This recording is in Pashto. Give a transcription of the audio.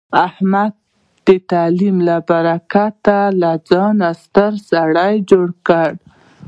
احمد د تعلیم له برکته له ځانه ستر سړی جوړ کړ.